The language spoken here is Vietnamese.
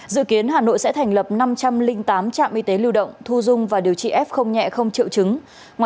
dự kiến hà nội sẽ thành lập năm trăm linh tám trạm y tế lưu động thu dung và điều trị f nhẹ không triệu chứng